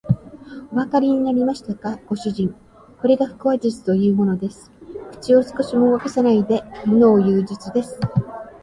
おわかりになりましたか、ご主人。これが腹話術というものです。口を少しも動かさないでものをいう術です。